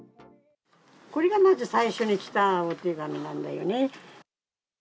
これがまず最初に来たお手紙なんだよね。